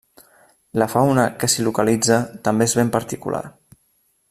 La fauna que s’hi localitza també és ben particular.